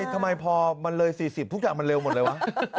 ทำไมพอมันเลย๔๐ทุกอย่างมันเร็วหมดเลยวะ